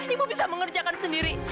ibu bisa mengerjakan sendiri